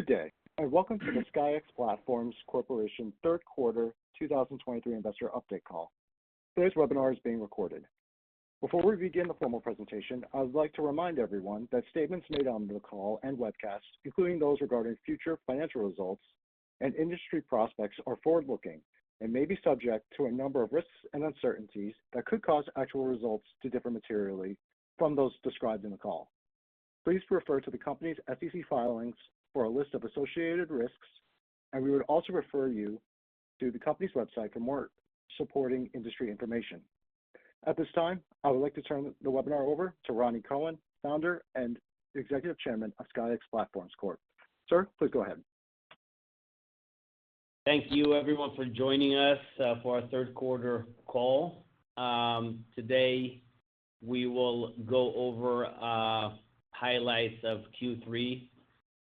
Good day, and welcome to the SKYX Platforms Corporation Third Quarter 2023 Investor Update Call. Today's webinar is being recorded. Before we begin the formal presentation, I would like to remind everyone that statements made on the call and webcast, including those regarding future financial results and industry prospects, are forward-looking and may be subject to a number of risks and uncertainties that could cause actual results to differ materially from those described in the call. Please refer to the company's SEC filings for a list of associated risks, and we would also refer you to the company's website for more supporting industry information. At this time, I would like to turn the webinar over to Rani Kohen, Founder and Executive Chairman of SKYX Platforms Corp. Sir, please go ahead. Thank you, everyone, for joining us, for our third quarter call. Today, we will go over, highlights of Q3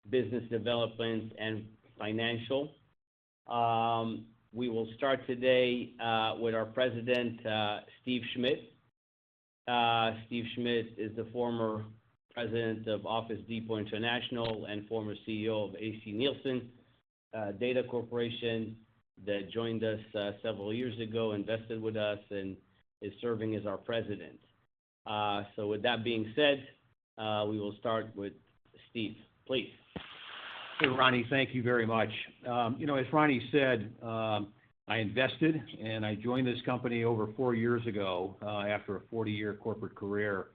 business development and financial. We will start today, with our President, Steve Schmidt. Steve Schmidt is the former president of Office Depot International and former CEO of ACNielsen Corporation, that joined us, several years ago, invested with us, and is serving as our president. So with that being said, we will start with Steve, please. So Rani, thank you very much. You know, as Rani said, I invested and I joined this company over four years ago, after a 40-year corporate career,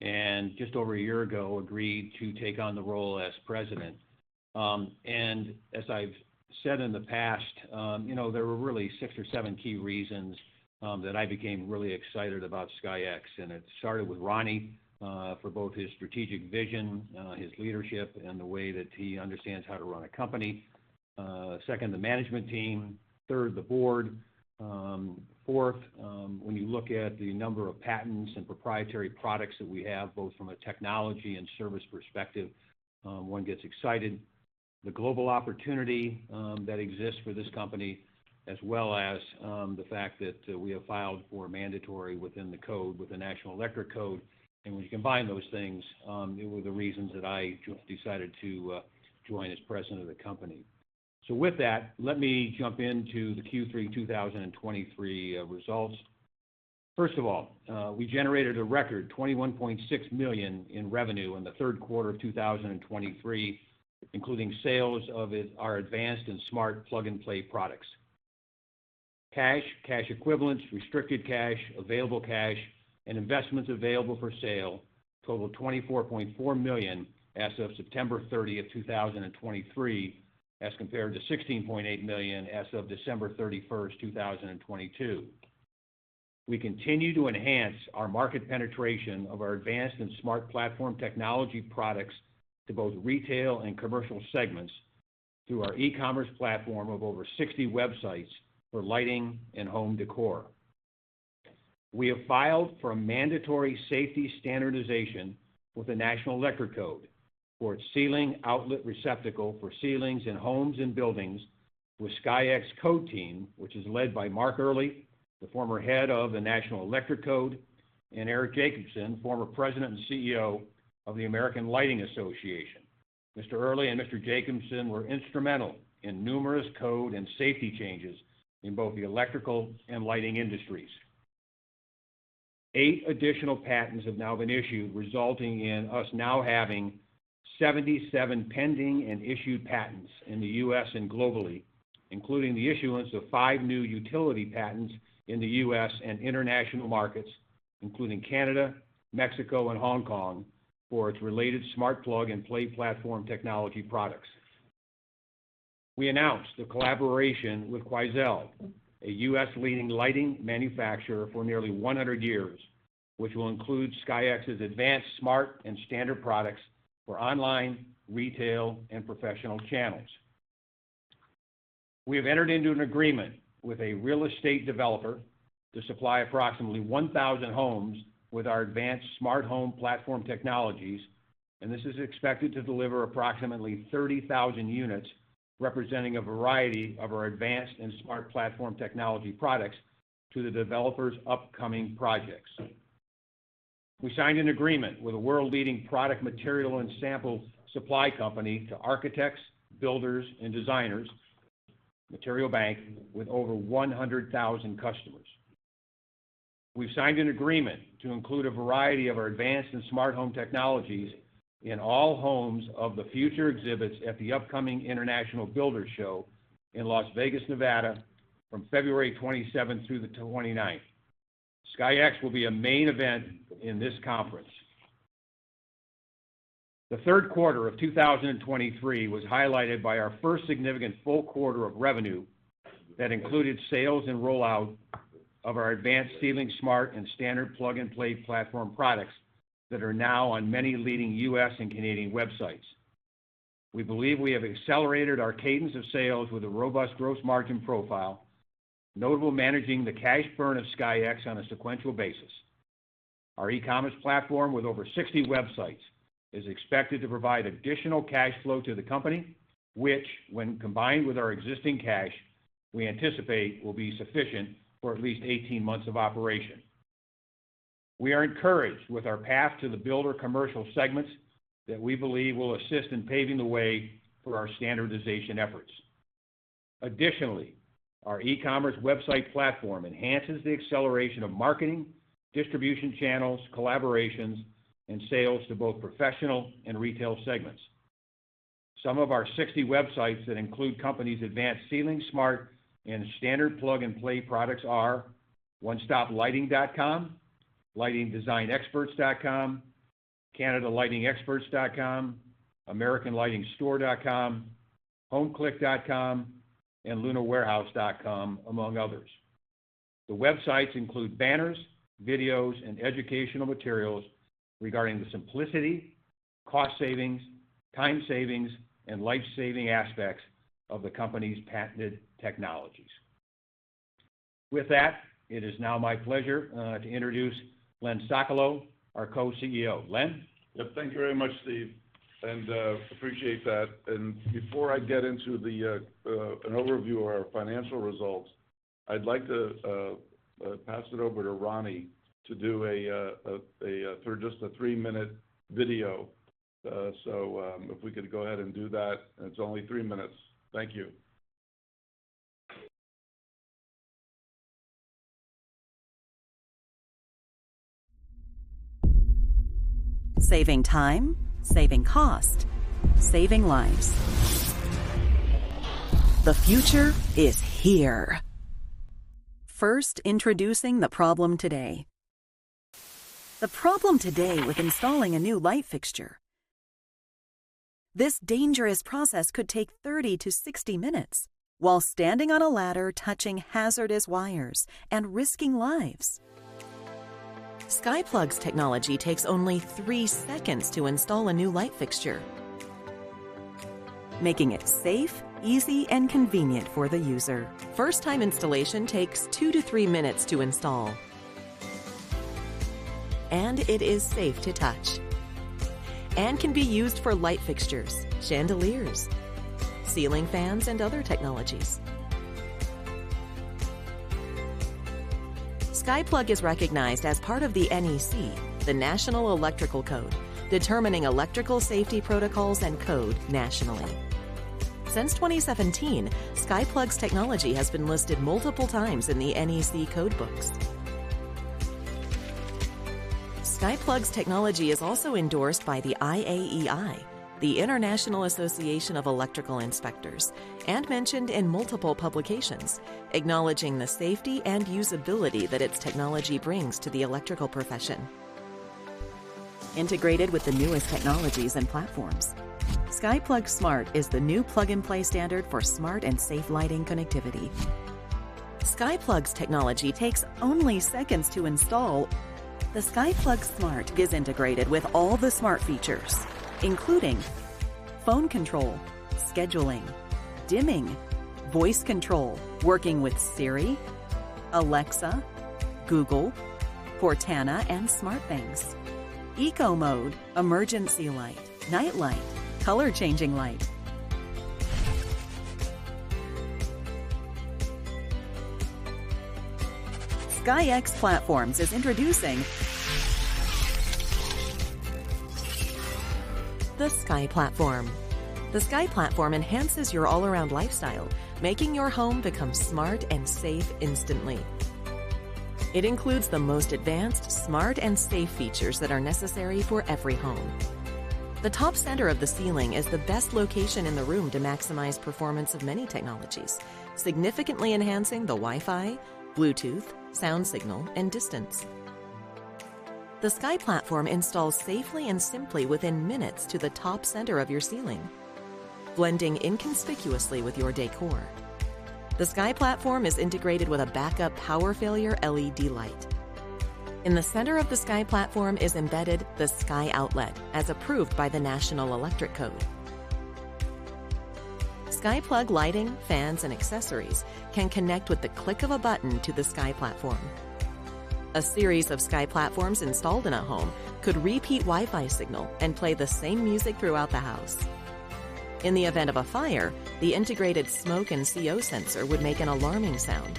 and just over a year ago, agreed to take on the role as president. And as I've said in the past, you know, there were really six or seven key reasons that I became really excited about SKYX, and it started with Rani, for both his strategic vision, his leadership, and the way that he understands how to run a company. Second, the management team. Third, the board. Fourth, when you look at the number of patents and proprietary products that we have, both from a technology and service perspective, one gets excited. The global opportunity that exists for this company, as well as the fact that we have filed for mandatory within the code with the National Electrical Code. And when you combine those things, they were the reasons that I just decided to join as president of the company. So with that, let me jump into the Q3 2023 results. First of all, we generated a record $21.6 million in revenue in the third quarter of 2023, including sales of our advanced and smart plug-and-play products. Cash, cash equivalents, restricted cash, available cash, and investments available for sale totaled $24.4 million as of September 30th, 2023, as compared to $16.8 million as of December 31st, 2022. We continue to enhance our market penetration of our advanced and smart platform technology products to both retail and commercial segments through our e-commerce platform of over 60 websites for lighting and home decor. We have filed for a mandatory safety standardization with the National Electrical Code for its ceiling outlet receptacle for ceilings in homes and buildings with SKYX Code Team, which is led by Mark Earley, the former head of the National Electrical Code, and Eric Jacobson, former President and CEO of the American Lighting Association. Mr. Earley and Mr. Jacobson were instrumental in numerous code and safety changes in both the electrical and lighting industries. Eight additional patents have now been issued, resulting in us now having 77 pending and issued patents in the U.S. and globally, including the issuance of five new utility patents in the U.S. and international markets, including Canada, Mexico, and Hong Kong, for its related smart plug-and-play platform technology products. We announced a collaboration with Quoizel, a U.S. leading lighting manufacturer for nearly 100 years, which will include SKYX's advanced smart and standard products for online, retail, and professional channels. We have entered into an agreement with a real estate developer to supply approximately 1,000 homes with our advanced smart home platform technologies, and this is expected to deliver approximately 30,000 units, representing a variety of our advanced and smart platform technology products to the developer's upcoming projects. We signed an agreement with a world-leading product material and sample supply company to architects, builders, and designers, Material Bank, with over 100,000 customers. We've signed an agreement to include a variety of our advanced and smart home technologies in all homes of the future exhibits at the upcoming International Builders' Show in Las Vegas, Nevada, from February 27th through the 29th. SKYX will be a main event in this conference. The third quarter of 2023 was highlighted by our first significant full quarter of revenue that included sales and rollout of our advanced ceiling, smart, and standard plug-and-play platform products that are now on many leading U.S. and Canadian websites. We believe we have accelerated our cadence of sales with a robust gross margin profile, notable managing the cash burn of SKYX on a sequential basis. Our e-commerce platform, with over 60 websites, is expected to provide additional cash flow to the company, which when combined with our existing cash, we anticipate will be sufficient for at least 18 months of operation. We are encouraged with our path to the builder commercial segments that we believe will assist in paving the way for our standardization efforts. Additionally, our e-commerce website platform enhances the acceleration of marketing, distribution channels, collaborations, and sales to both professional and retail segments. Some of our 60 websites that include companies advanced ceiling smart and standard plug-and-play products are onestoplighting.com, lightingdesignexperts.com, canadalightingexperts.com, americanlightingstore.com, homeclick.com, and lunawarehouse.com, among others. The websites include banners, videos, and educational materials regarding the simplicity, cost savings, time savings, and life-saving aspects of the company's patented technologies. With that, it is now my pleasure to introduce Len Sokolow, our co-CEO. Len? Yep, thank you very much, Steve, and appreciate that. Before I get into an overview of our financial results, I'd like to pass it over to Rani to do a three-minute video. So, if we could go ahead and do that, it's only three minutes. Thank you. Saving time, saving cost, saving lives. The future is here. First, introducing the problem today. The problem today with installing a new light fixture. This dangerous process could take 30-60 minutes while standing on a ladder, touching hazardous wires and risking lives. SkyPlug's technology takes only 3 seconds to install a new light fixture, making it safe, easy, and convenient for the user. First time installation takes 2-3 minutes to install, and it is safe to touch, and can be used for light fixtures, chandeliers, ceiling fans, and other technologies. SkyPlug is recognized as part of the NEC, the National Electrical Code, determining electrical safety protocols and code nationally. Since 2017, SkyPlug's technology has been listed multiple times in the NEC code books. SkyPlug's technology is also endorsed by the IAEI, the International Association of Electrical Inspectors, and mentioned in multiple publications, acknowledging the safety and usability that its technology brings to the electrical profession. Integrated with the newest technologies and platforms, SkyPlug Smart is the new plug-and-play standard for smart and safe lighting connectivity. SkyPlug's technology takes only seconds to install. The SkyPlug Smart is integrated with all the smart features, including phone control, scheduling, dimming, voice control, working with Siri, Alexa, Google, Cortana, and SmartThings, eco mode, emergency light, night light, color changing light. SKYX Platforms is introducing the Sky Platform. The Sky Platform enhances your all around lifestyle, making your home become smart and safe instantly. It includes the most advanced, smart, and safe features that are necessary for every home. The top center of the ceiling is the best location in the room to maximize performance of many technologies, significantly enhancing the Wi-Fi, Bluetooth, sound signal, and distance. The Sky Platform installs safely and simply within minutes to the top center of your ceiling, blending inconspicuously with your decor. The Sky Platform is integrated with a backup power failure LED light. In the center of the Sky Platform is embedded the SkyOutlet, as approved by the National Electrical Code. SkyPlug lighting, fans, and accessories can connect with the click of a button to the Sky Platform. A series of Sky Platforms installed in a home could repeat Wi-Fi signal and play the same music throughout the house. In the event of a fire, the integrated smoke and CO sensor would make an alarming sound.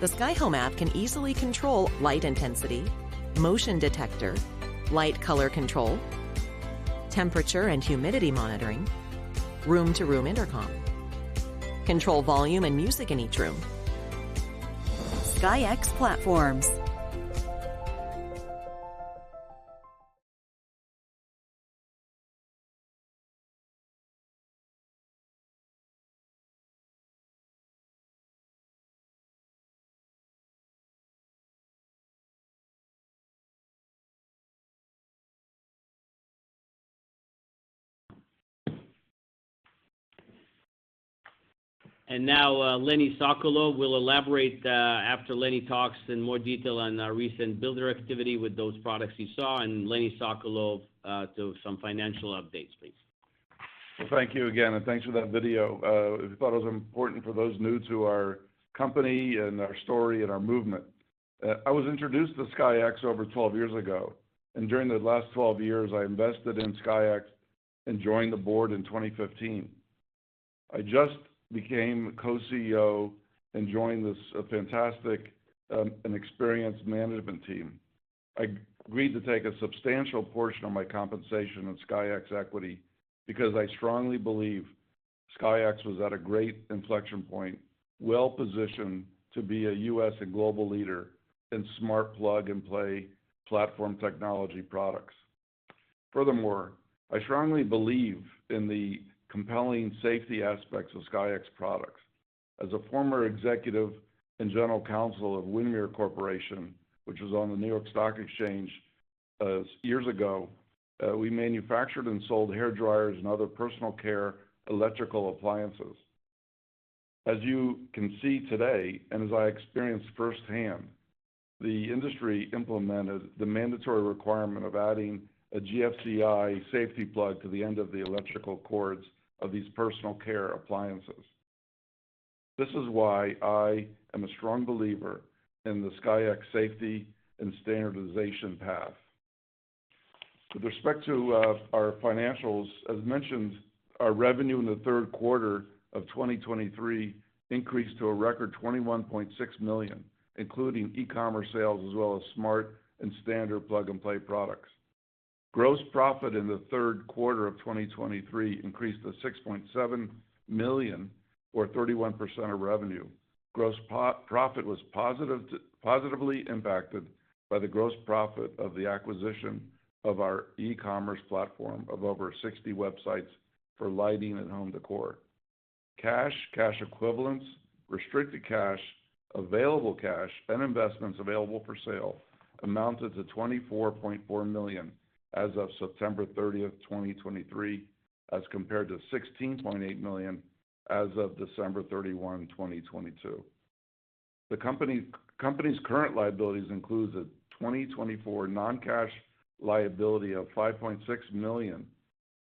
The SkyHome App can easily control light intensity, motion detector, light color control, temperature and humidity monitoring, room-to-room intercom, control volume and music in each room. SKYX Platforms. And now, Lenny Sokolow will elaborate. After Lenny talks in more detail on our recent builder activity with those products you saw, and Lenny Sokolow to some financial updates, please. Well, thank you again, and thanks for that video. We thought it was important for those new to our company and our story and our movement. I was introduced to SKYX over 12 years ago, and during the last 12 years, I invested in SKYX and joined the board in 2015. I just became co-CEO and joined this fantastic and experienced management team. I agreed to take a substantial portion of my compensation in SKYX equity because I strongly believe SKYX was at a great inflection point, well-positioned to be a U.S. and global leader in smart plug-and-play platform technology products. Furthermore, I strongly believe in the compelling safety aspects of SKYX products. As a former executive and general counsel of Windmere Corporation, which was on the New York Stock Exchange years ago, we manufactured and sold hairdryers and other personal care electrical appliances. As you can see today, and as I experienced firsthand, the industry implemented the mandatory requirement of adding a GFCI safety plug to the end of the electrical cords of these personal care appliances. This is why I am a strong believer in the SKYX safety and standardization path. With respect to our financials, as mentioned, our revenue in the third quarter of 2023 increased to a record $21.6 million, including e-commerce sales, as well as smart and standard plug-and-play products. Gross profit in the third quarter of 2023 increased to $6.7 million, or 31% of revenue. Gross profit was positively impacted by the gross profit of the acquisition of our e-commerce platform of over 60 websites for lighting and home decor. Cash, cash equivalents, restricted cash, available cash, and investments available for sale amounted to $24.4 million as of September 30th, 2023, as compared to $16.8 million as of December 31, 2022. The company's current liabilities includes a 2024 non-cash liability of $5.6 million,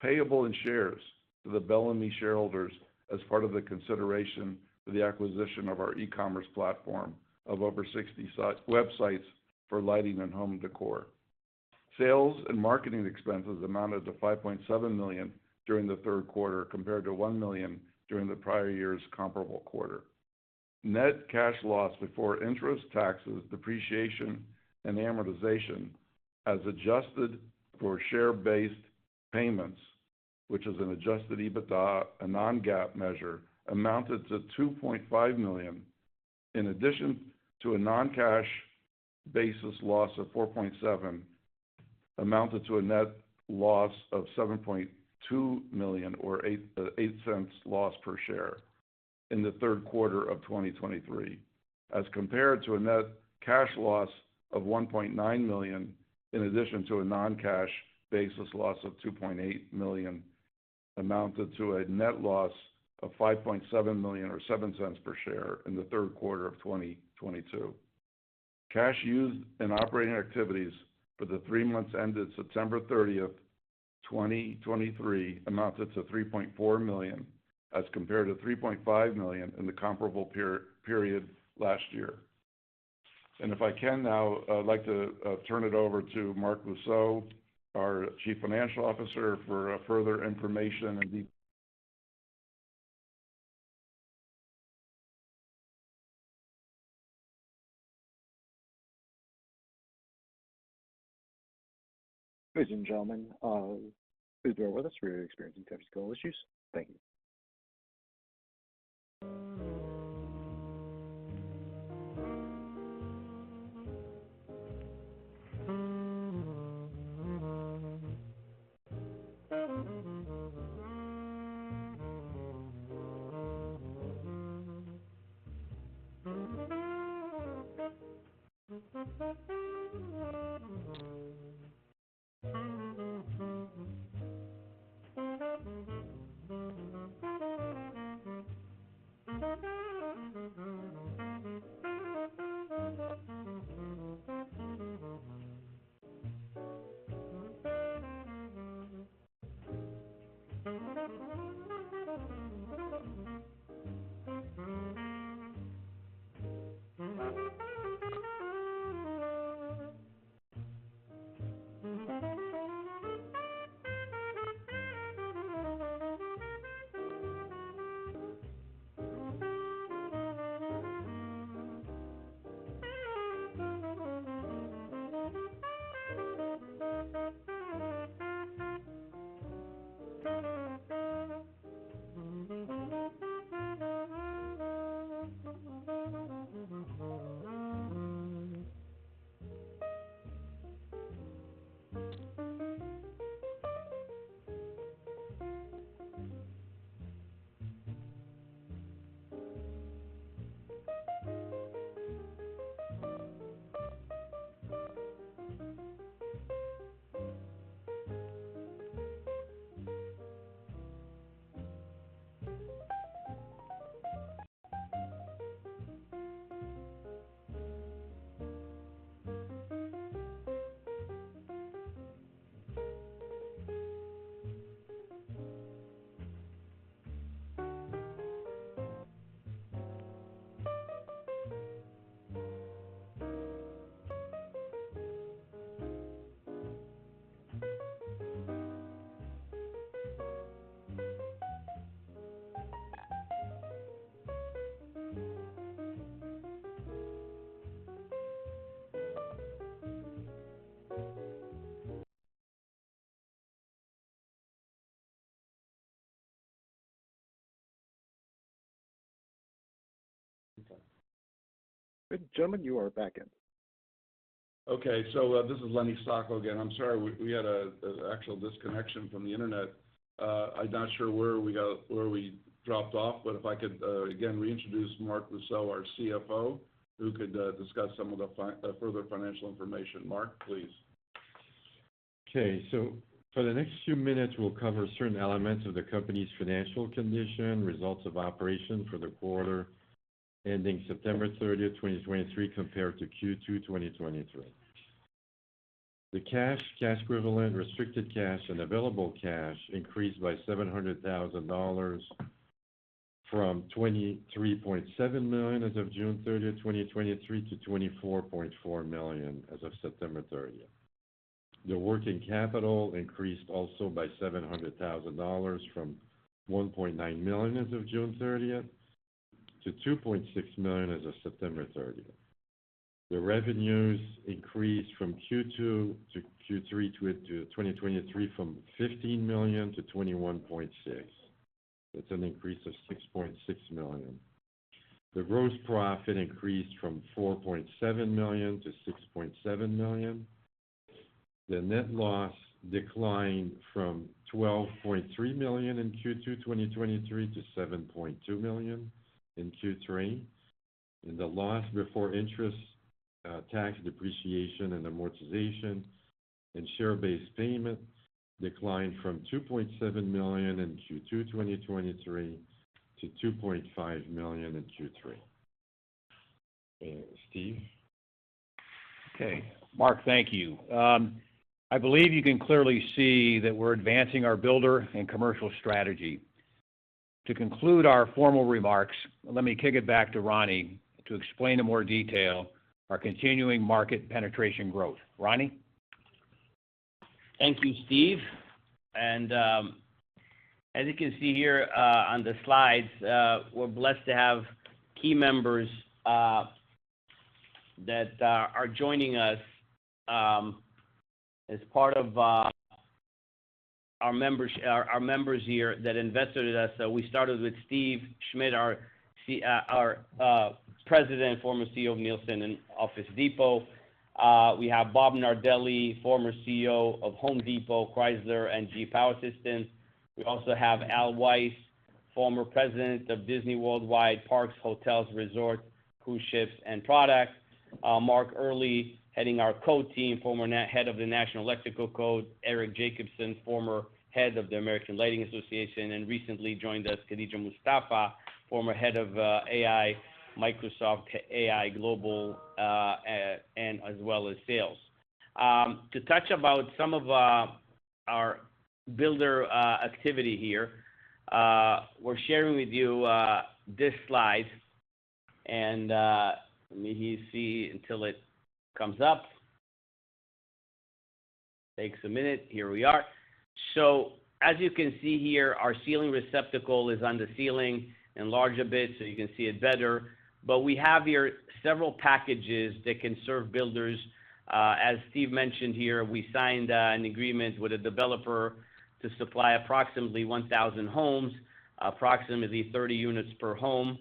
payable in shares to the Belami shareholders as part of the consideration for the acquisition of our e-commerce platform of over 60 websites for lighting and home decor. Sales and marketing expenses amounted to $5.7 million during the third quarter, compared to $1 million during the prior year's comparable quarter. Net cash loss before interest, taxes, depreciation, and amortization, as adjusted for share-based payments, which is an adjusted EBITDA, a non-GAAP measure, amounted to $2.5 million. In addition to a non-cash basis loss of $4.7 million, amounted to a net loss of $7.2 million or $0.08 loss per share in the third quarter of 2023, as compared to a net cash loss of $1.9 million, in addition to a non-cash basis loss of $2.8 million, amounted to a net loss of $5.7 million or $0.07 loss per share in the third quarter of 2022. Cash used in operating activities for the three months ended September 30th, 2023, amounted to $3.4 million, as compared to $3.5 million in the comparable period last year. And if I can now, I'd like to turn it over to Marc Boisseau, our Chief Financial Officer, for further information and de- Ladies and gentlemen, please bear with us. We are experiencing technical issues. Thank you. ... Gentlemen, you are back in. Okay, so, this is Lenny Sokolow again. I'm sorry, we had an actual disconnection from the internet. I'm not sure where we dropped off, but if I could, again reintroduce Marc Boisseau, our CFO, who could discuss some of the further financial information. Marc, please. Okay, so for the next few minutes, we'll cover certain elements of the company's financial condition, results of operations for the quarter ending September 30, 2023, compared to Q2 2023. The cash, cash equivalents, restricted cash, and available cash increased by $700,000 from $23.7 million as of June 30th, 2023, to $24.4 million as of September 30th. The working capital increased also by $700,000 from $1.9 million as of June 30th to $2.6 million as of September 30th. The revenues increased from Q2 to Q3 2023, from $15 million to $21.6 million. That's an increase of $6.6 million. The gross profit increased from $4.7 million to $6.7 million. The net loss declined from $12.3 million in Q2 2023 to $7.2 million in Q3. The loss before interest, tax, depreciation, and amortization, and share-based payment declined from $2.7 million in Q2 2023 to $2.5 million in Q3. Steve? Okay. Marc, thank you. I believe you can clearly see that we're advancing our builder and commercial strategy. To conclude our formal remarks, let me kick it back to Rani to explain in more detail our continuing market penetration growth. Rani? Thank you, Steve. As you can see here on the slides, we're blessed to have key members that are joining us as part of our members here that invested in us. So we started with Steve Schmidt, our President and former CEO of Nielsen and Office Depot. We have Bob Nardelli, former CEO of Home Depot, Chrysler, and GE Power Systems. We also have Al Weiss, former President of Disney Worldwide Parks, Hotels, Resorts, Cruise Ships, and Products. Mark Earley, heading our code team, former head of the National Electrical Code. Eric Jacobson, former head of the American Lighting Association, and recently joined us, Khadija Mustafa, former head of AI, Microsoft AI Global, and as well as sales. To touch about some of our builder activity here, we're sharing with you this slide, and let me see until it comes up. Takes a minute. Here we are. So as you can see here, our ceiling receptacle is on the ceiling. Enlarge a bit so you can see it better. But we have here several packages that can serve builders. As Steve mentioned here, we signed an agreement with a developer to supply approximately 1,000 homes, approximately 30 units per home.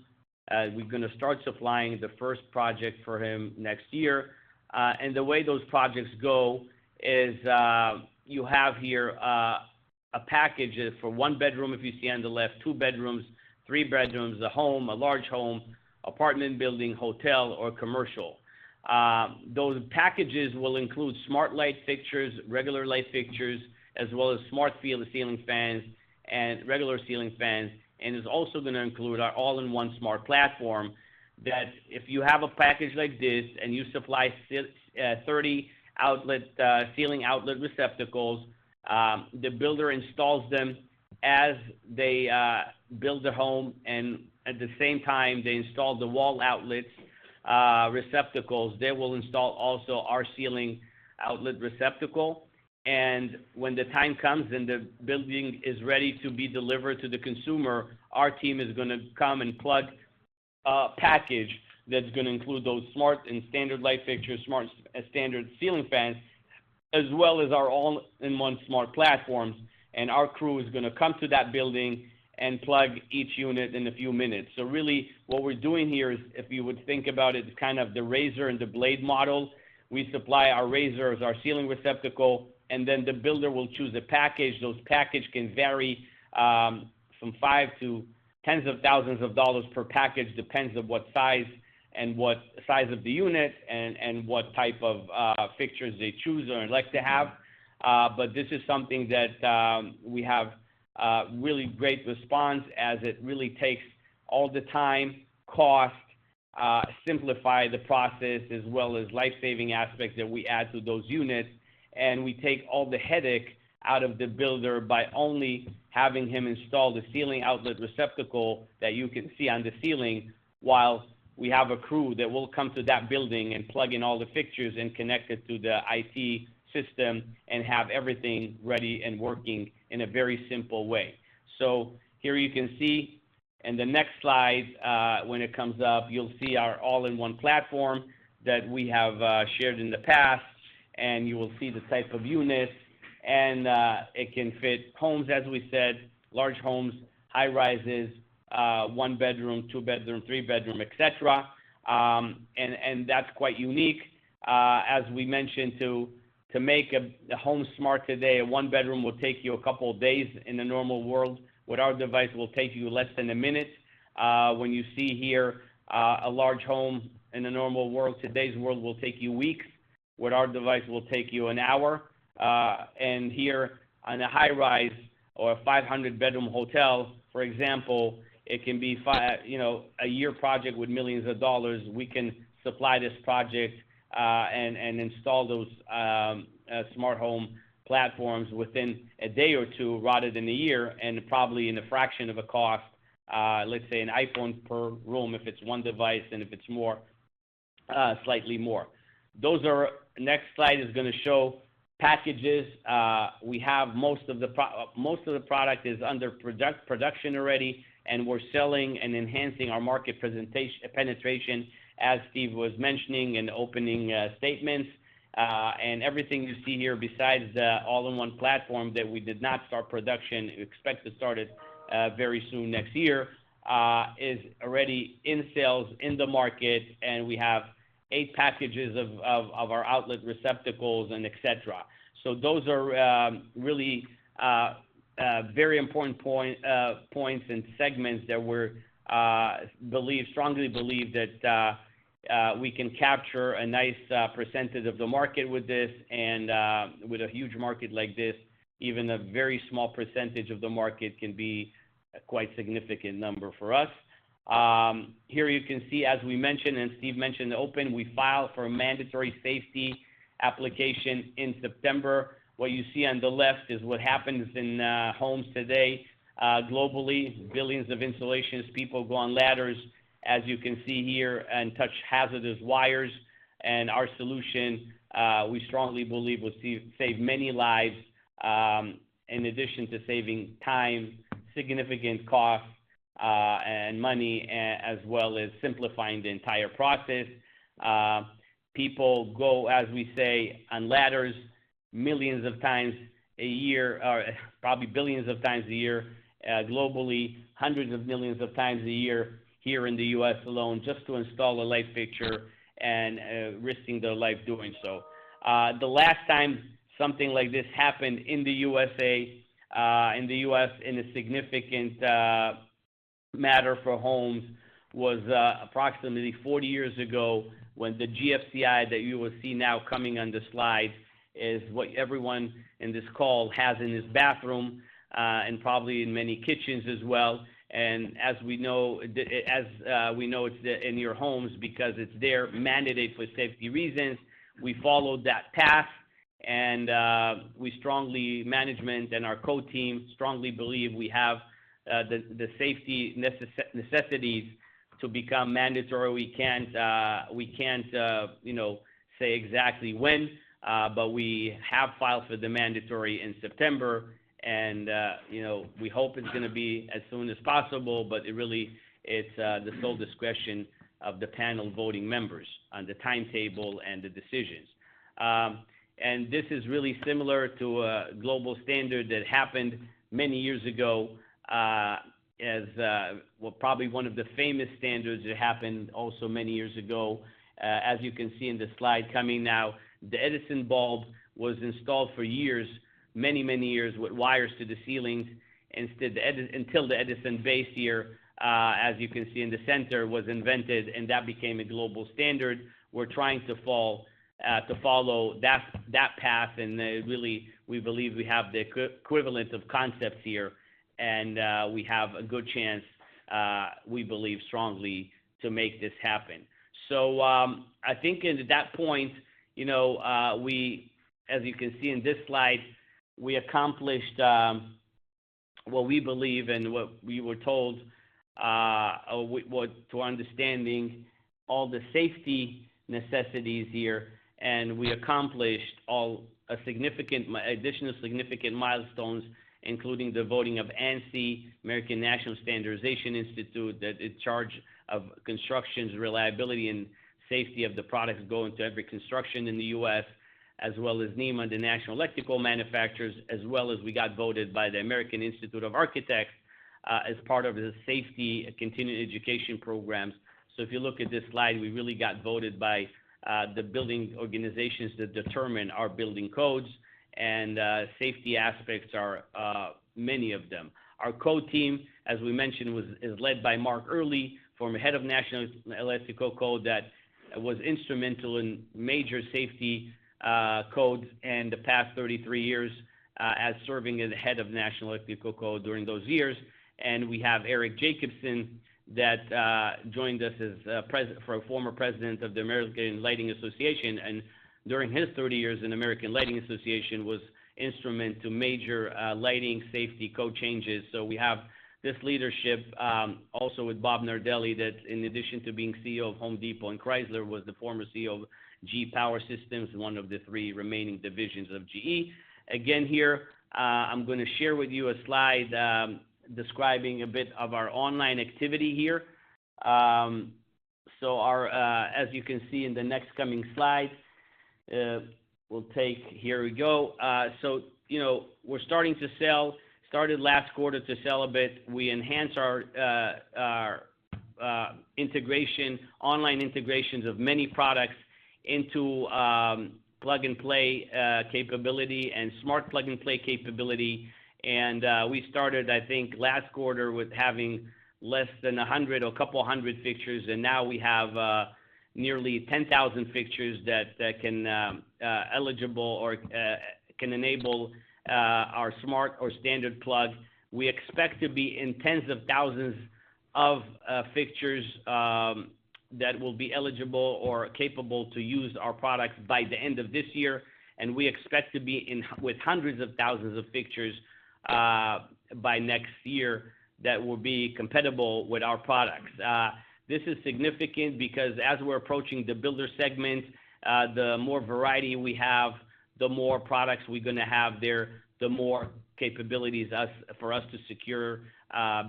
We're gonna start supplying the first project for him next year. And the way those projects go is, you have here a package for one bedroom, if you see on the left, two bedrooms, three bedrooms, a home, a large home, apartment building, hotel or commercial. Those packages will include smart light fixtures, regular light fixtures, as well as smart ceiling fans and regular ceiling fans, and it's also gonna include our all-in-one smart platform, that if you have a package like this and you supply 30 outlet ceiling outlet receptacles, the builder installs them as they build a home, and at the same time, they install the wall outlets, receptacles. They will install also our ceiling outlet receptacle, and when the time comes and the building is ready to be delivered to the consumer, our team is gonna come and plug a package that's gonna include those smart and standard light fixtures, smart and standard ceiling fans, as well as our all-in-one smart platforms, and our crew is gonna come to that building and plug each unit in a few minutes. So really, what we're doing here is, if you would think about it, is kind of the razor and the blade model. We supply our razors, our ceiling receptacle, and then the builder will choose a package. Those packages can vary from $5 to tens of thousands of dollars per package, depends on what size and what size of the unit and what type of fixtures they choose or would like to have. But this is something that we have really great response as it really takes all the time, cost, simplify the process, as well as life-saving aspects that we add to those units, and we take all the headache out of the builder by only having him install the ceiling outlet receptacle that you can see on the ceiling, while we have a crew that will come to that building and plug in all the fixtures and connect it to the IT system and have everything ready and working in a very simple way. So here you can see. In the next slide, when it comes up, you'll see our all-in-one platform that we have shared in the past, and you will see the type of units. It can fit homes, as we said, large homes, high-rises, one bedroom, two bedroom, three bedroom, et cetera. And that's quite unique. As we mentioned, to make a home smart today, a one-bedroom will take you a couple of days in the normal world. With our device, it will take you less than a minute. When you see here, a large home in the normal world, today's world will take you weeks. With our device, it will take you an hour. And here, on a high-rise or a 500-bedroom hotel, for example, it can be, you know, a year project with millions of dollars. We can supply this project, and install those smart home platforms within a day or two, rather than a year, and probably in a fraction of a cost, let's say an iPhone per room, if it's one device, and if it's more, slightly more. Those are... Next slide is gonna show packages. We have most of the product is under production already, and we're selling and enhancing our market penetration, as Steve was mentioning in the opening statements. And everything you see here, besides the all-in-one platform, that we did not start production, we expect to start it very soon, next year, is already in sales, in the market, and we have eight packages of our outlet receptacles and et cetera. Those are really very important points and segments that we're strongly believe that we can capture a nice percentage of the market with this. With a huge market like this, even a very small percentage of the market can be a quite significant number for us. Here you can see, as we mentioned, and Steve mentioned in the open, we filed for a mandatory safety application in September. What you see on the left is what happens in homes today. Globally, billions of installations, people go on ladders, as you can see here, and touch hazardous wires. Our solution we strongly believe will save many lives in addition to saving time, significant cost, and money, as well as simplifying the entire process. People go, as we say, on ladders, millions of times a year, or probably billions of times a year, globally, hundreds of millions of times a year here in the U.S. alone, just to install a light fixture and, risking their life doing so. The last time something like this happened in the U.S., in the U.S., in a significant matter for homes, was approximately 40 years ago, when the GFCI that you will see now coming on the slide is what everyone in this call has in his bathroom, and probably in many kitchens as well. As we know, it's in your homes because it's there, mandated for safety reasons. We followed that path, and we strongly, management and our code team, strongly believe we have the safety necessities to become mandatory. We can't, we can't, you know, say exactly when, but we have filed for the mandatory in September, and, you know, we hope it's gonna be as soon as possible, but it really, it's the sole discretion of the panel voting members on the timetable and the decisions. And this is really similar to a global standard that happened many years ago, as well, probably one of the famous standards that happened also many years ago. As you can see in the slide coming now, the Edison bulb was installed for years, many, many years, with wires to the ceilings, until the Edison base here, as you can see in the center, was invented, and that became a global standard. We're trying to follow that path, and really, we believe we have the equivalent of concepts here, and we have a good chance, we believe strongly, to make this happen. So, I think at that point, you know, we, as you can see in this slide, we accomplished what we believe and what we were told with to understanding all the safety necessities here. We accomplished all a significant, additional significant milestones, including the voting of ANSI, American National Standards Institute, that's in charge of construction, reliability, and safety of the products that go into every construction in the U.S., as well as NEMA, the National Electrical Manufacturers Association, as well as we got voted by the American Institute of Architects, as part of the safety and continuing education programs. So if you look at this slide, we really got voted by the building organizations that determine our building codes, and safety aspects are many of them. Our code team, as we mentioned, is led by Mark Earley, former head of National Electrical Code, who was instrumental in major safety codes in the past 33 years, as serving as head of National Electrical Code during those years. We have Eric Jacobson, that joined us as former president of the American Lighting Association, and during his 30 years in American Lighting Association, was instrumental to major lighting safety code changes. We have this leadership also with Bob Nardelli, that in addition to being CEO of Home Depot and Chrysler, was the former CEO of GE Power Systems, one of the three remaining divisions of GE. Again, here, I'm gonna share with you a slide describing a bit of our online activity here. As you can see in the next coming slides, here we go. You know, we're starting to sell, started last quarter to sell a bit. We enhanced our integration, online integrations of many products into plug-and-play capability and smart plug-and-play capability. We started, I think, last quarter with having less than 100 or a couple 100 fixtures, and now we have nearly 10,000 fixtures that can eligible or can enable our smart or standard plug. We expect to be in tens of thousands of fixtures that will be eligible or capable to use our products by the end of this year, and we expect to be with hundreds of thousands of fixtures by next year that will be compatible with our products. This is significant because as we're approaching the builder segment, the more variety we have, the more products we're gonna have there, the more capabilities for us to secure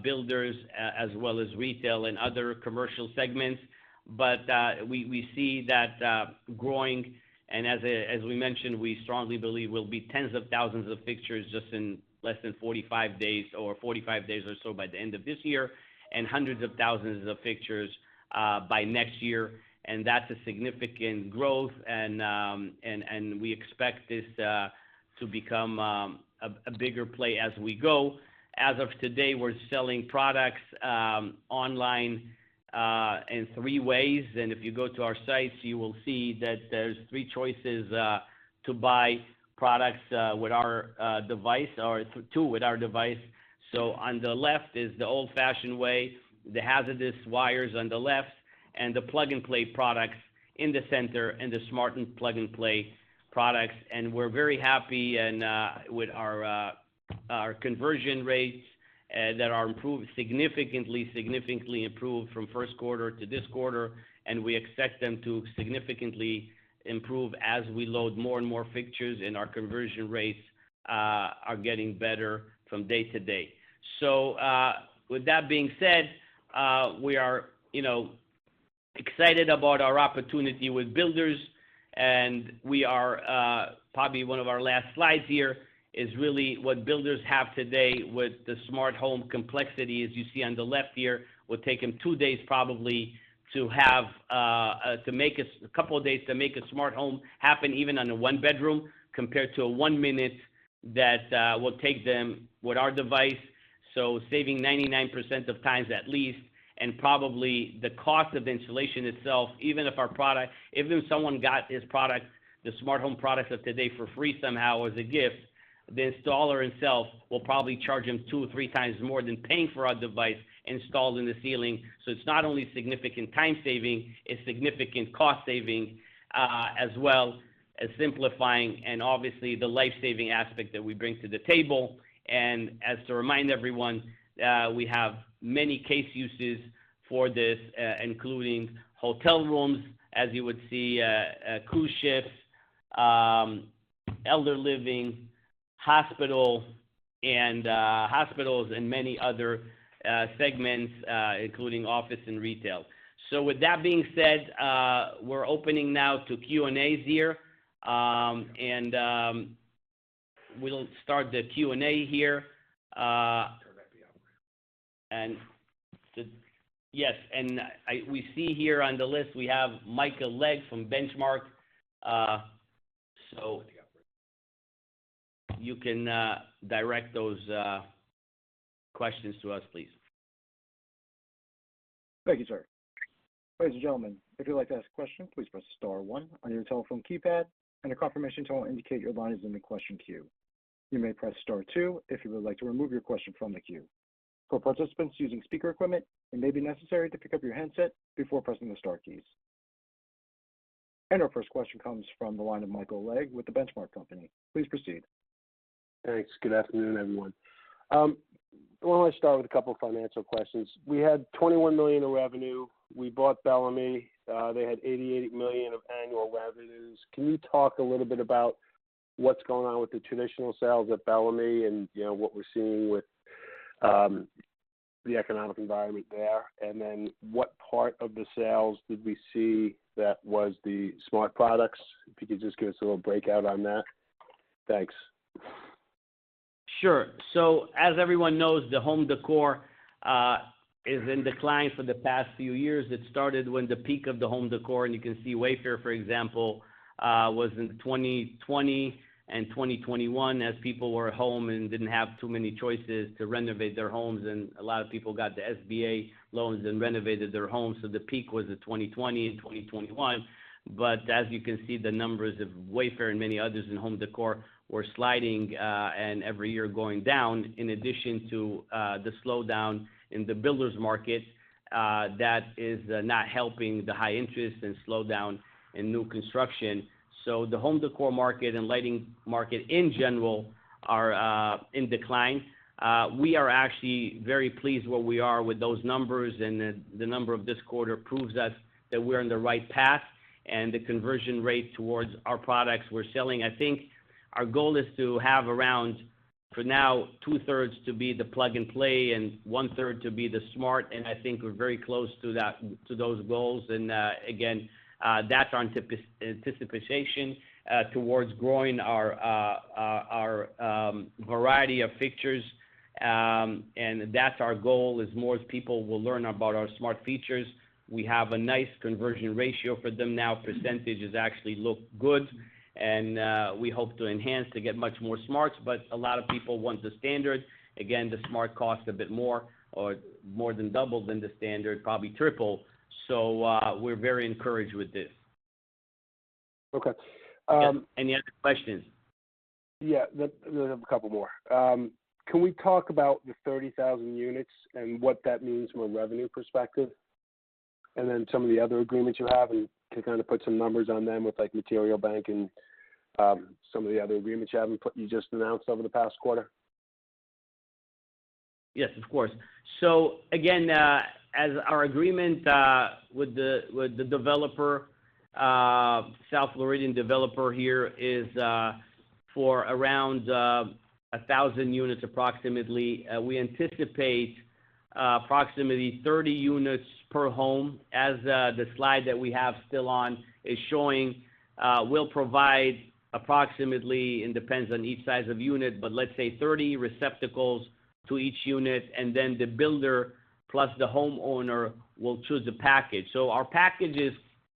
builders as well as retail and other commercial segments. But we see that growing, and as we mentioned, we strongly believe will be tens of thousands of fixtures just in less than 45 days or 45 days or so by the end of this year, and hundreds of thousands of fixtures by next year. And that's a significant growth and we expect this to become a bigger play as we go. As of today, we're selling products online in three ways. And if you go to our sites, you will see that there's three choices to buy products with our device or two with our device. So on the left is the old-fashioned way, the hazardous wires on the left, and the plug-and-play products in the center, and the smart plug-and-play products. And we're very happy and with our our conversion rates that are improved significantly, significantly improved from first quarter to this quarter, and we expect them to significantly improve as we load more and more fixtures, and our conversion rates are getting better from day to day. So with that being said, we are, you know, excited about our opportunity with builders, and we are... Probably one of our last slides here is really what builders have today with the smart home complexity. As you see on the left here, will take them two days probably to have to make a couple of days to make a smart home happen, even on a one-bedroom, compared to a one minute that will take them with our device. So saving 99% of times at least, and probably the cost of installation itself, even if our product—even if someone got this product, the smart home products of today for free somehow, as a gift, the installer himself will probably charge him two or three times more than paying for our device installed in the ceiling. So it's not only significant time saving, it's significant cost saving, as well as simplifying and obviously the life-saving aspect that we bring to the table. And as to remind everyone, we have many case uses for this, including hotel rooms, as you would see, cruise ships, elder living, hospital, and hospitals and many other segments, including office and retail. So with that being said, we're opening now to Q&As here. And we'll start the Q&A here. Yes, we see here on the list, we have Michael Legg from Benchmark. So- Yeah. You can direct those questions to us, please. Thank you, sir. Ladies and gentlemen, if you'd like to ask a question, please press star one on your telephone keypad, and a confirmation tone will indicate your line is in the question queue. You may press star two if you would like to remove your question from the queue. For participants using speaker equipment, it may be necessary to pick up your handset before pressing the star keys. Our first question comes from the line of Michael Legg with The Benchmark Company. Please proceed. Thanks. Good afternoon, everyone. Why don't I start with a couple of financial questions? We had $21 million in revenue. We bought Belami, they had $88 million of annual revenues. Can you talk a little bit about what's going on with the traditional sales at Belami and, you know, what we're seeing with the economic environment there? And then what part of the sales did we see that was the smart products? If you could just give us a little breakout on that. Thanks. Sure. So as everyone knows, the home decor is in decline for the past few years. It started when the peak of the home decor, and you can see Wayfair, for example, was in 2020 and 2021, as people were at home and didn't have too many choices to renovate their homes, and a lot of people got the SBA loans and renovated their homes. So the peak was in 2020 and 2021. But as you can see, the numbers of Wayfair and many others in home decor were sliding, and every year going down, in addition to the slowdown in the builders market, that is not helping the high interest and slowdown in new construction. So the home decor market and lighting market in general are in decline. We are actually very pleased where we are with those numbers, and the number of this quarter proves us that we're on the right path, and the conversion rate towards our products we're selling. I think our goal is to have for now, 2/3 to be the plug-and-play, and 1/3 to be the smart, and I think we're very close to that, to those goals. And again, that's our anticipation towards growing our variety of fixtures. And that's our goal, as more people will learn about our smart features. We have a nice conversion ratio for them now. Percentage is actually look good, and we hope to enhance to get much more smarts, but a lot of people want the standard. Again, the smart cost a bit more or more than double than the standard, probably triple. So, we're very encouraged with this. Okay, um- Any other questions? Yeah, I have a couple more. Can we talk about the 30,000 units and what that means from a revenue perspective? And then some of the other agreements you have, and to kind of put some numbers on them with, like, Material Bank and some of the other agreements you have and you just announced over the past quarter. Yes, of course. So again, as our agreement with the developer, South Floridian developer here is for around 1,000 units approximately, we anticipate approximately 30 units per home. As the slide that we have still on is showing, we'll provide approximately, it depends on each size of unit, but let's say 30 receptacles to each unit, and then the builder, plus the homeowner will choose a package. So our packages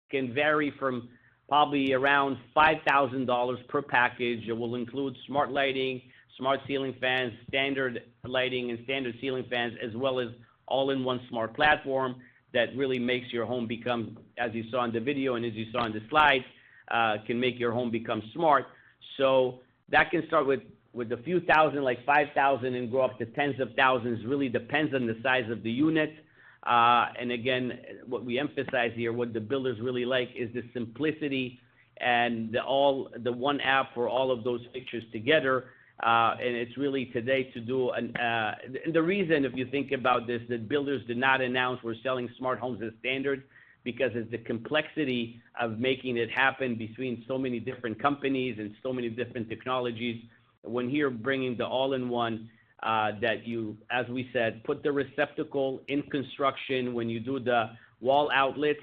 can vary from probably around $5,000 per package. It will include smart lighting, smart ceiling fans, standard lighting, and standard ceiling fans, as well as all-in-one smart platform that really makes your home become, as you saw in the video and as you saw on the slide, can make your home become smart. So that can start with a few thousand, like 5,000 and go up to tens of thousands. Really depends on the size of the unit. And again, what we emphasize here, what the builders really like is the simplicity and the all-in-one app for all of those fixtures together. And it's really today to do an. The reason, if you think about this, that builders did not announce we're selling smart homes as standard, because it's the complexity of making it happen between so many different companies and so many different technologies. When here, bringing the all-in-one, that you, as we said, put the receptacle in construction. When you do the wall outlets,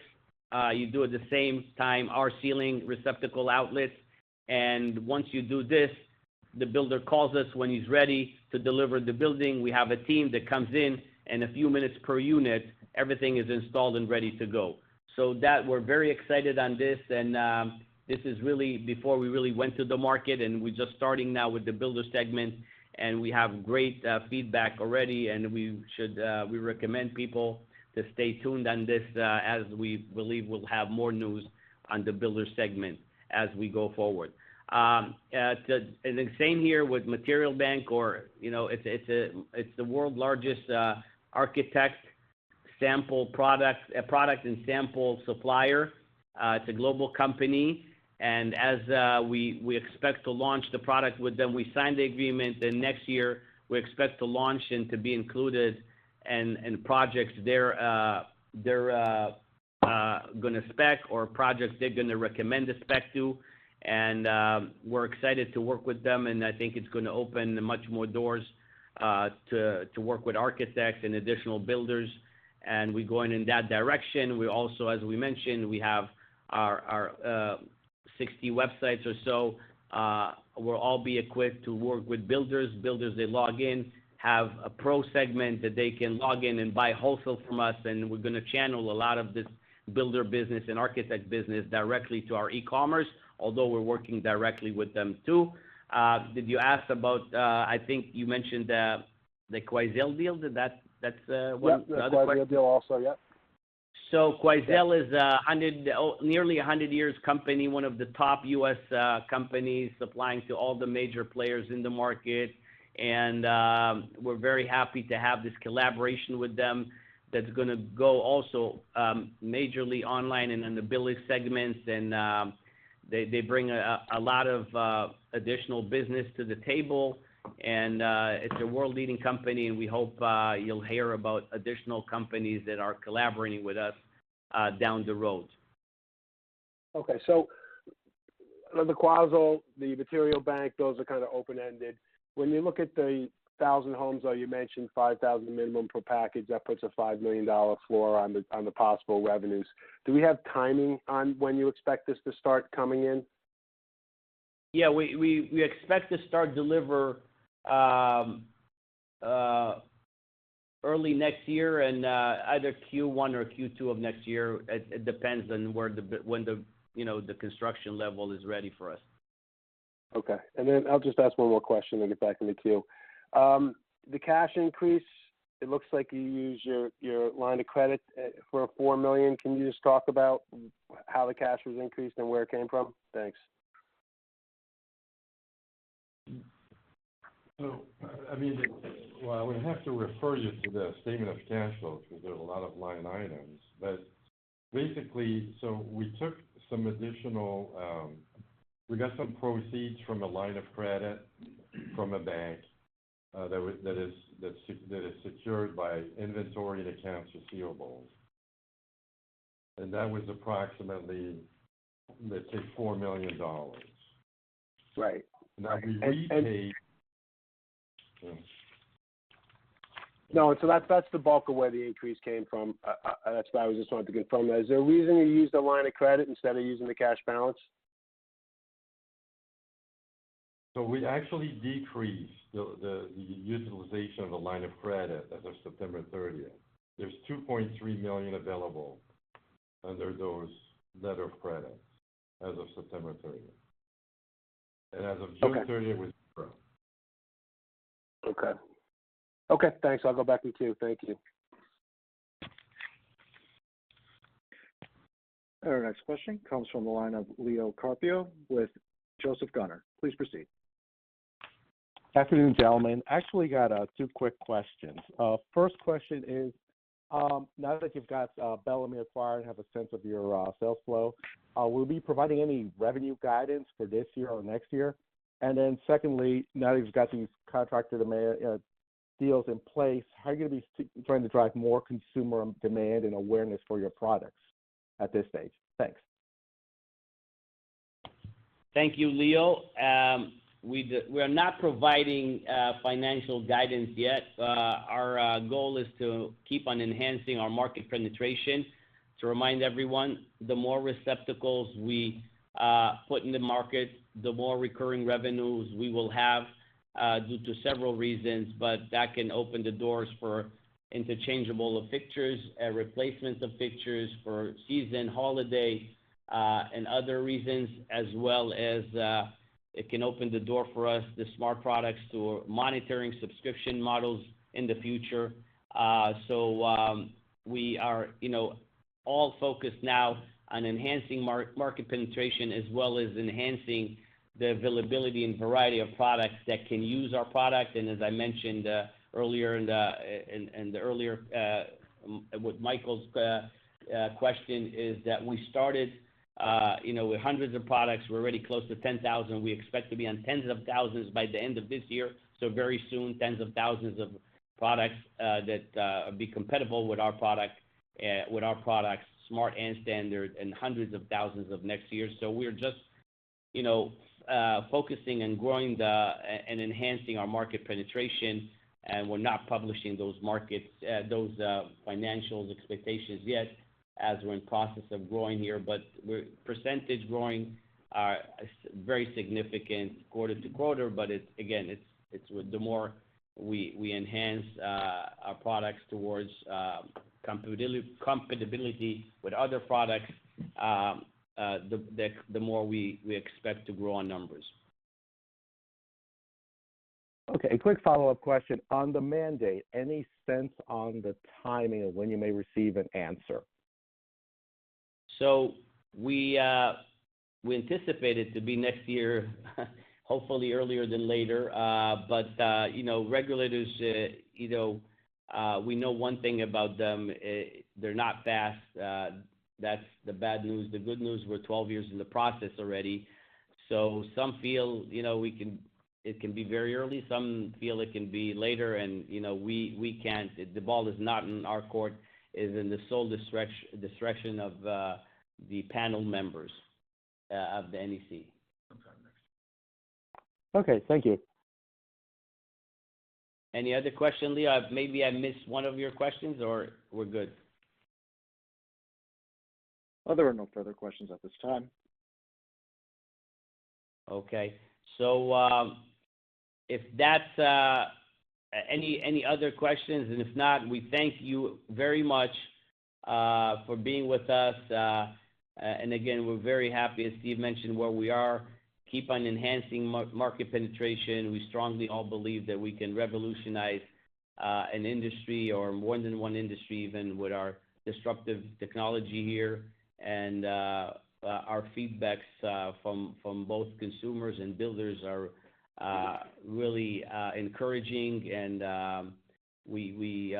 you do it the same time, our ceiling receptacle outlets, and once you do this, the builder calls us when he's ready to deliver the building. We have a team that comes in and a few minutes per unit, everything is installed and ready to go. So that, we're very excited on this, and, this is really before we really went to the market, and we're just starting now with the builder segment, and we have great, feedback already, and we should, we recommend people to stay tuned on this, as we believe we'll have more news on the builder segment as we go forward. The, and the same here with Material Bank or, you know, it's the world's largest, architect sample product, product and sample supplier. It's a global company, and as we expect to launch the product with them, we signed the agreement, and next year, we expect to launch and to be included in projects they're gonna spec or projects they're gonna recommend a spec to. And we're excited to work with them, and I think it's gonna open much more doors to work with architects and additional builders, and we're going in that direction. We also, as we mentioned, we have our 60 websites or so will all be equipped to work with builders. Builders, they log in, have a pro segment that they can log in and buy wholesale from us, and we're gonna channel a lot of this builder business and architect business directly to our e-commerce, although we're working directly with them, too. Did you ask about... I think you mentioned the Quoizel deal, did that, that's one- Yeah, the Quoizel deal also, yep. So Quoizel is nearly a 100 years company, one of the top U.S. companies supplying to all the major players in the market. We're very happy to have this collaboration with them. That's gonna go also majorly online and in the builder segments, and they bring a lot of additional business to the table, and it's a world-leading company, and we hope you'll hear about additional companies that are collaborating with us down the road. Okay. So the Quoizel, the Material Bank, those are kind of open-ended. When you look at the 1,000 homes, or you mentioned 5,000 minimum per package, that puts a $5 million floor on the, on the possible revenues. Do we have timing on when you expect this to start coming in? Yeah, we expect to start deliver early next year and either Q1 or Q2 of next year. It depends on when the, you know, the construction level is ready for us. Okay. Then I'll just ask one more question and get back in the queue. The cash increase, it looks like you used your line of credit for $4 million. Can you just talk about how the cash was increased and where it came from? Thanks. So I mean, well, I would have to refer you to the statement of cash flows, because there are a lot of line items. Basically, we got some proceeds from a line of credit from a bank that is secured by inventory and accounts receivable. And that was approximately, let's say, $4 million. Right. Now, we repaid- No, so that's, that's the bulk of where the increase came from. That's why I just wanted to confirm that. Is there a reason you used the line of credit instead of using the cash balance? So we actually decreased the utilization of the line of credit as of September 30th. There's $2.3 million available under those letters of credit as of September 30th. Okay. As of June 30th, it was [four]. Okay. Okay, thanks. I'll go back to you. Thank you. Our next question comes from the line of Leo Carpio with Joseph Gunnar. Please proceed. Afternoon, gentlemen. I actually got two quick questions. First question is, now that you've got Belami acquired and have a sense of your sales flow, will you be providing any revenue guidance for this year or next year? And then secondly, now that you've got these contractor demand deals in place, how are you gonna be trying to drive more consumer demand and awareness for your products at this stage? Thanks. Thank you, Leo. We are not providing financial guidance yet. Our goal is to keep on enhancing our market penetration. To remind everyone, the more receptacles we put in the market, the more recurring revenues we will have due to several reasons. But that can open the doors for interchangeable of fixtures and replacements of fixtures for season, holiday, and other reasons, as well as it can open the door for us, the smart products, to monitoring subscription models in the future. So, we are, you know, all focused now on enhancing market penetration, as well as enhancing the availability and variety of products that can use our product. As I mentioned earlier with Michael's question, is that we started, you know, with hundreds of products. We're already close to 10,000. We expect to be on tens of thousands by the end of this year. So very soon, tens of thousands of products that be compatible with our product, with our products, smart and standard, and hundreds of thousands next year. So we're just, you know, focusing and growing the and enhancing our market penetration, and we're not publishing those markets, those financials expectations yet, as we're in process of growing here. But we're percentage growing are very significant quarter-to-quarter, but it's again with the more we enhance our products towards compatibility with other products, the more we expect to grow on numbers. Okay, a quick follow-up question. On the mandate, any sense on the timing of when you may receive an answer? So we anticipate it to be next year, hopefully earlier than later. But you know, regulators, you know, we know one thing about them, they're not fast. That's the bad news. The good news, we're 12 years in the process already. So some feel, you know, it can be very early, some feel it can be later and, you know, we can't—the ball is not in our court. It's in the sole discretion of the panel members of the NEC. Okay, thank you. Any other question, Leo? Maybe I missed one of your questions, or we're good? There are no further questions at this time. Okay. So, if that's any other questions? And if not, we thank you very much for being with us. And again, we're very happy, as Steve mentioned, where we are, keep on enhancing market penetration. We strongly all believe that we can revolutionize an industry or more than one industry, even with our disruptive technology here. And our feedbacks from both consumers and builders are really encouraging and we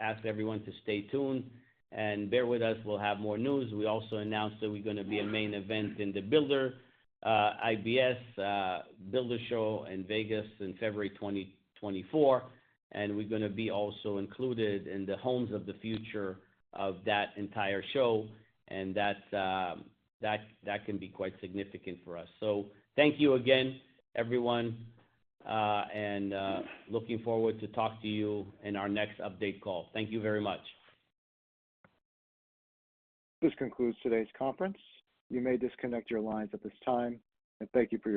ask everyone to stay tuned and bear with us. We'll have more news. We also announced that we're gonna be a main event in the Builders' IBS Builders' Show in Vegas in February 2024, and we're gonna be also included in the Homes of the Future of that entire show, and that can be quite significant for us. Thank you again, everyone, and looking forward to talk to you in our next update call. Thank you very much. This concludes today's conference. You may disconnect your lines at this time, and thank you for your participation.